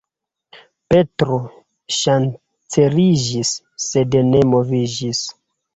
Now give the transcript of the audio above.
Petro ŝanceliĝis, sed ne moviĝis.